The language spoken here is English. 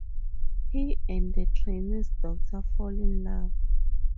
He and the trainer's daughter fall in love.